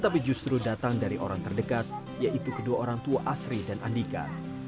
tapi justru datang dari orang terdekat yaitu kedua orang tua asri dan andika